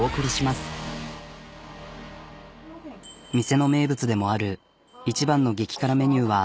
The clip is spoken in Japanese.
店の名物でもある一番の激辛メニューは。